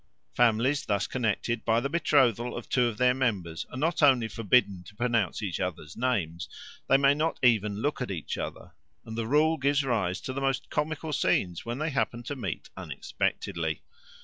Families thus connected by the betrothal of two of their members are not only forbidden to pronounce each other's names; they may not even look at each other, and the rule gives rise to the most comical scenes when they happen to meet unexpectedly.